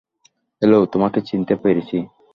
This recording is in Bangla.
হ্যালো, তোমাকে চিনতে পেরেছি।